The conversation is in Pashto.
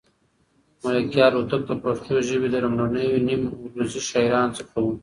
ملکیار هوتک د پښتو ژبې د لومړنيو نیم عروضي شاعرانو څخه و.